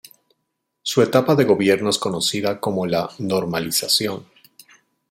Su etapa de gobierno es conocida como la "normalización".